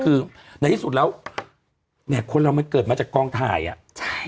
คือในที่สุดแล้วแหม่คนเรามันเกิดมาจากกองถ่ายอ่ะใช่